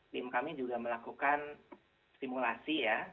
tim kami juga melakukan stimulasi ya